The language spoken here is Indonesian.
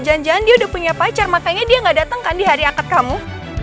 jangan jangan dia udah punya pacar makanya dia gak datang kan di hari akad kamu